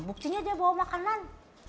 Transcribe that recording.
buktinya dia bawa makanan